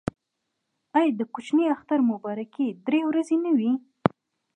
آیا د کوچني اختر مبارکي درې ورځې نه وي؟